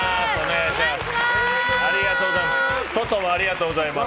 ありがとうございます。